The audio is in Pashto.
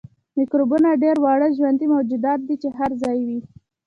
میکروبونه ډیر واړه ژوندي موجودات دي چې هر ځای وي